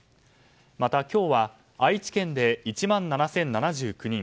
また今日は愛知県で１万７０７９人。